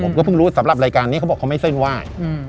ผมก็เพิ่งรู้สำหรับรายการนี้เขาบอกเขาไม่เส้นไหว้